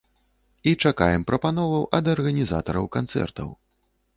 І чакаем прапановаў ад арганізатараў канцэртаў!